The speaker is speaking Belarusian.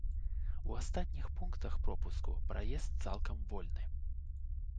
У астатніх пунктах пропуску праезд цалкам вольны.